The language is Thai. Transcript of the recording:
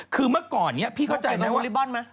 คือเมื่อก่อนเนี่ยพี่เข้าใจไหมว่า